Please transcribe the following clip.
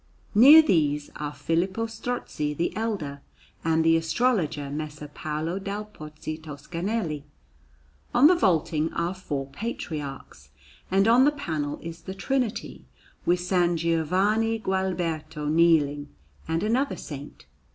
Near these are Filippo Strozzi the elder and the astrologer Messer Paolo dal Pozzo Toscanelli. On the vaulting are four patriarchs, and on the panel is the Trinity, with S. Giovanni Gualberto kneeling, and another Saint.